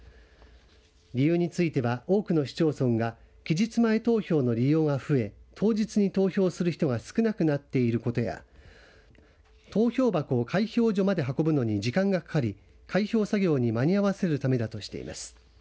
理由については、多くの市町村が期日前投票の利用が増え当日に投票する人が少なくなっていることや投票箱を開票所まで運ぶのに時間がかかり開票作業に間に合わせるためだとしています。